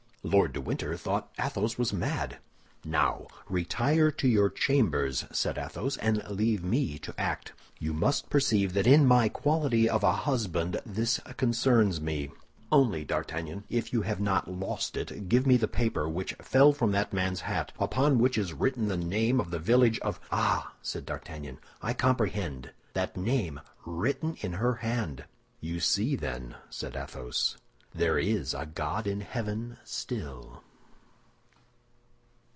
Lord de Winter thought Athos was mad. "Now, retire to your chambers," said Athos, "and leave me to act. You must perceive that in my quality of a husband this concerns me. Only, D'Artagnan, if you have not lost it, give me the paper which fell from that man's hat, upon which is written the name of the village of—" "Ah," said D'Artagnan, "I comprehend! that name written in her hand." "You see, then," said Athos, "there is a god in heaven still!"